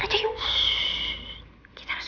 rasa jadi itu cewek